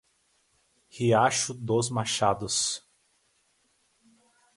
Riacho dos Machados